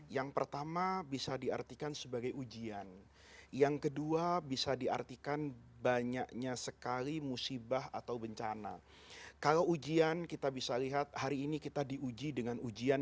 yang pertama bisa kita artikan baru saja sebagai ujian